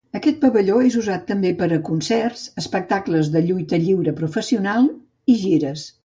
Aquest pavelló és usat també per a concerts, espectacles de lluita lliure professional i gires.